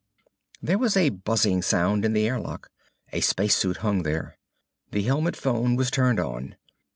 There was a buzzing sound in the airlock. A space suit hung there. The helmet phone was turned on.